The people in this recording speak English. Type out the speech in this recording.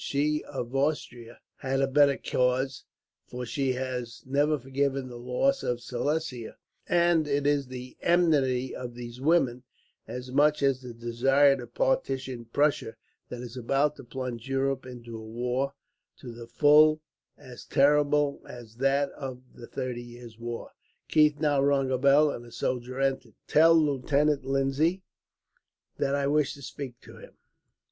She of Austria has a better cause, for she has never forgiven the loss of Silesia; and it is the enmity of these women, as much as the desire to partition Prussia, that is about to plunge Europe into a war to the full as terrible as that of the thirty years." Keith now rung a bell, and a soldier entered. "Tell Lieutenant Lindsay that I wish to speak to him."